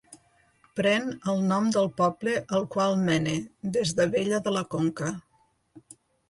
Pren el nom del poble al qual mena, des d'Abella de la Conca.